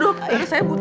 saya butuh suami saya